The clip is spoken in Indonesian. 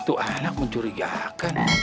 itu anak mencurigakan